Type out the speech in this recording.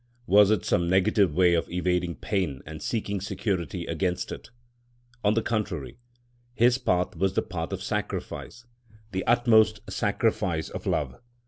Was it some negative way of evading pain and seeking security against it? On the contrary, his path was the path of sacrifice—the utmost sacrifice of love.